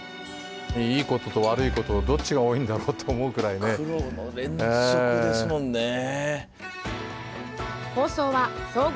いいことと悪いことどっちが多いんだろうと苦労の連続ですもんね。